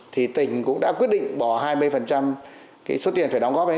thì tỉnh cũng đã quyết định bỏ hai mươi số tiền phải đóng góp